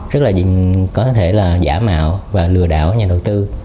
rất là có thể là giả mạo và lừa đảo nhà đầu tư